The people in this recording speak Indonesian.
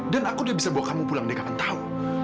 dan aku udah bisa bawa kamu pulang dari kapan tahu